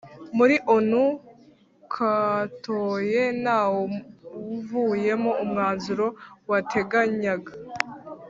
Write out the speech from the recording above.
Muri onu katoye ntawuvuyemo umwanzuro wateganyaga